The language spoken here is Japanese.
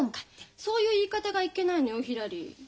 そういう言い方がいけないのよひらり。